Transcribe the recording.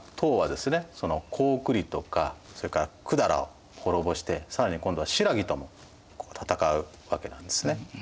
高句麗とかそれから百済を滅ぼして更に今度は新羅とも戦うわけなんですね。